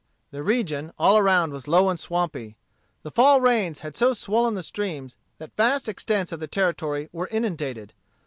The region all around was low and swampy. The fall rains had so swollen the streams that vast extents of territory were inundated.